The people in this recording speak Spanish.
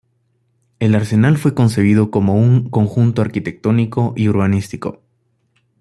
El Arsenal fue concebido como un conjunto arquitectónico y urbanístico.